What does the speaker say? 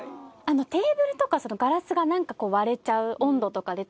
テーブルとかガラスが割れちゃう温度とかで。